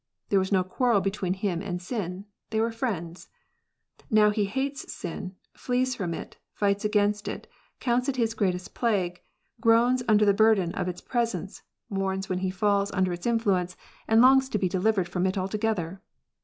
There was no quarrel between him and sin ; they were friends. IS T ow he hates sin, flees from it, fights against it, counts it his greatest plague, gi oans under the burden of its presence, mourns when he falls under its influence, and longs to be delivered from it altogether.